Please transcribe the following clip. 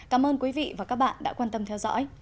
cảm ơn quý vị và các bạn đã quan tâm theo dõi